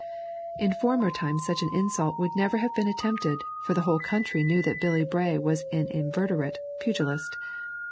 In former times such an insult would never have been attempted, for the whole country knew that Billy Bray was an inveterate pugilist.